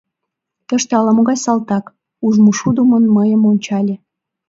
— Тыште ала-могай салтак, — ужмышудымын мыйым ончале.